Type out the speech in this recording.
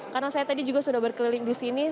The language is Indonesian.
karena saya tadi juga sudah berkeliling di sini